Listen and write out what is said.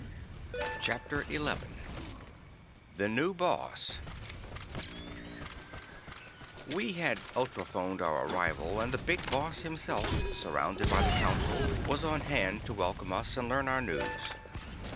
CHAPTER XI The New Boss We had ultrophoned our arrival and the Big Boss himself, surrounded by the Council, was on hand to welcome us and learn our news.